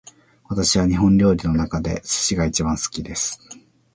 私は日本料理の中で寿司が一番好きです